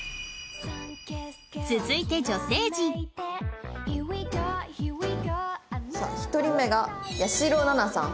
続いて女性陣さあ１人目が８４６７さん。